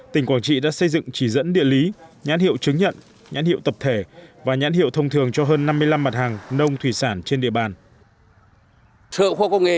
tỉnh quảng trị đã xây dựng chỉ dẫn địa lý nhãn hiệu chứng nhận nhãn hiệu tập thể và nhãn hiệu thông thường cho hơn năm mươi năm mặt hàng nông thủy sản trên địa bàn